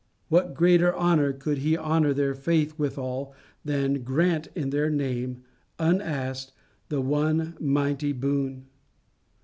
What greater honour could he honour their faith withal than grant in their name, unasked, the one mighty boon?